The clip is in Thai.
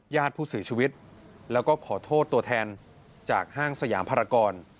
ญาติผู้เสียชีวิตแล้วก็ขอโทษตัวแทนจากห้างสยามภารกร